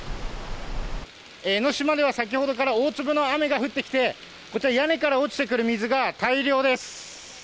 江の島では先ほどから大粒の雨が降ってきて、こちら屋根から落ちてくる水が大量です。